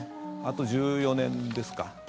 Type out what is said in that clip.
あと１４年ですか。